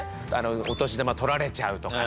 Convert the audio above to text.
お年玉とられちゃうとかね。